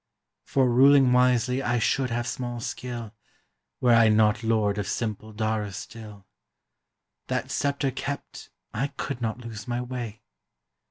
"For ruling wisely I should have small skill. Were I not lord of simple Dara still; That scepter kept, I could not lose my way."